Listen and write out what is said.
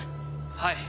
はい。